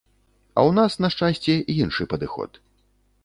А ў нас, на шчасце, іншы падыход.